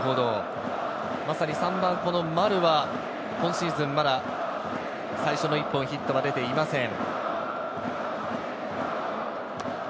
まさに３番・丸は今シーズン、まだ最初の１本、ヒットが出ていません。